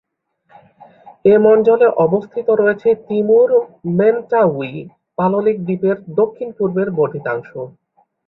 এ মন্ডলে অবস্থিত রয়েছে তিমুর-মেন্টাউই পাললিক দ্বীপের দক্ষিণ-পূর্বের বর্ধিতাংশ।